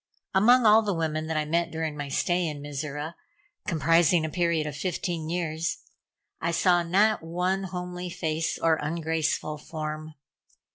Among all the women that I met during my stay in Mizora comprising a period of fifteen years I saw not one homely face or ungraceful form.